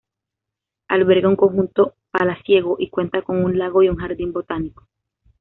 Alberga un conjunto palaciego y cuenta con un lago y un jardín botánico.